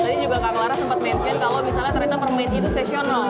tadi juga kak clara sempat mention kalau misalnya ternyata permain itu sesional